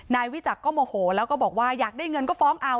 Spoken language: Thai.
วิจักรก็โมโหแล้วก็บอกว่าอยากได้เงินก็ฟ้องเอา